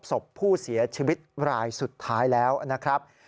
ศพผู้เสียชีวิตรายสุดท้ายแล้วนะครับ